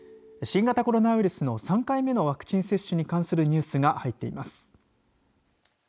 新型コロナウイルスの３回目のワクチン接種に関するニュースが入っています。